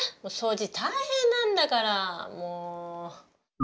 掃除大変なんだからもう。